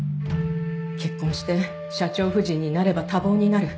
「結婚して社長夫人になれば多忙になる。